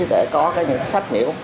để có những sách nhiễu